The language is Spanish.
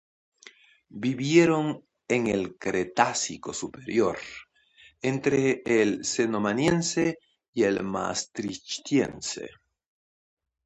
Vivieron en el Cretácico Superior, entre el Cenomaniense y el Maastrichtiense.